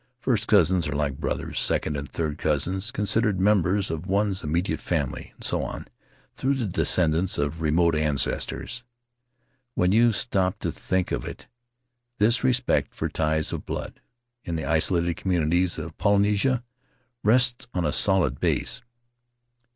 First cousins are like brothers, second and third cousins considered members of one's immediate family, and so on through the descendants of remote ancestors. When you stop to think of it, this respect for ties of blood — in the isolated communities of Polynesia — rests on a solid base."